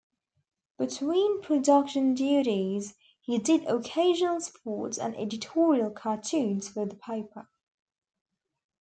Between production duties, he did occasional sports and editorial cartoons for the paper.